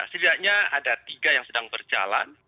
setidaknya ada tiga yang sedang berjalan